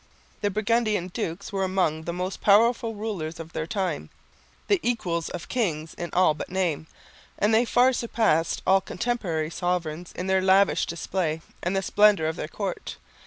The Burgundian dukes were among the most powerful rulers of their time the equals of kings in all but name and they far surpassed all contemporary sovereigns in their lavish display and the splendour of their court.